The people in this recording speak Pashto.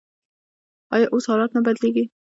آیا اوس حالات نه بدلیږي؟